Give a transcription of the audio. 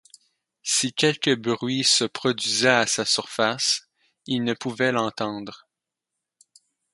Si quelque bruit se produisait à sa surface, ils ne pouvaient l’entendre.